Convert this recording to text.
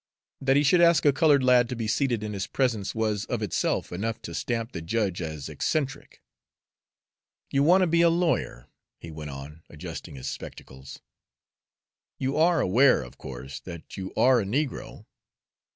That he should ask a colored lad to be seated in his presence was of itself enough to stamp the judge as eccentric. "You want to be a lawyer," he went on, adjusting his spectacles. "You are aware, of course, that you are a negro?"